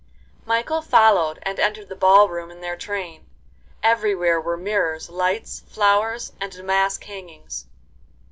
VIII Michael followed, and entered the ball room in their train. Everywhere were mirrors, lights, flowers, and damask hangings.